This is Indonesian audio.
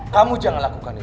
kamu jangan lakukan itu